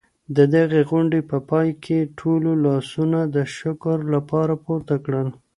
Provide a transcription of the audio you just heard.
د دغي غونډې په پای کي ټولو لاسونه د شکر لپاره پورته کړل.